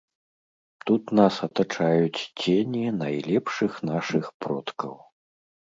Тут нас атачаюць цені найлепшых нашых продкаў.